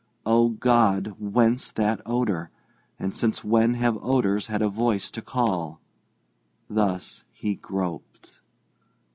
Oh, God! whence that odour, and since when have odours had a voice to call? Thus he groped.